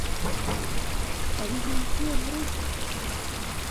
Але за якія грошы?